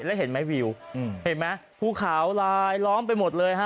แล้วเห็นไหมวิวเห็นไหมภูขาวลายล้อมไปหมดเลยฮะ